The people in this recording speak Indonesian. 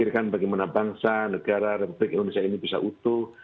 memikirkan bagaimana bangsa negara republik indonesia ini bisa utuh